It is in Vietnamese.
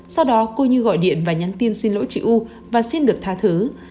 sau đó cô như gọi điện và nhắn tin xin lỗi chị u và xin được tha thứ